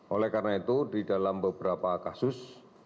oleh karena itu di dalam beberapa kasus